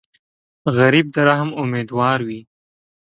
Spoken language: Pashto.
غریب د رحم امیدوار وي